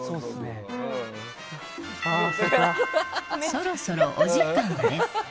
そろそろお時間です。